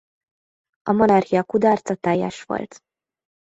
A Monarchia kudarca teljes volt.